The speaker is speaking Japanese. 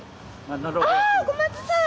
あ小松さん！